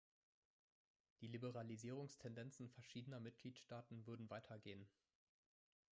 Die Liberalisierungstendenzen verschiedener Mitgliedstaaten würden weitergehen.